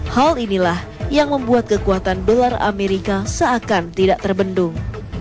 hal inilah yang membuat kekuatan dolar amerika seakan tidak terbendung